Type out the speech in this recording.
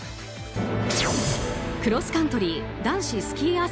クロスカントリー男子スキー